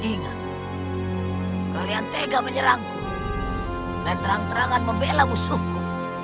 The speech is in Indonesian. ingat kalian tega menyerangku dan terang terangan membela musuhku